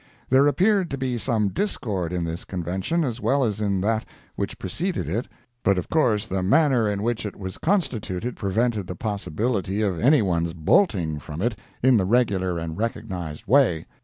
There appeared to be some discord in this Convention as well as in that which preceded it, but of course the manner in which it was constituted prevented the possibility of anyone's bolting from it in the regular and recognized way.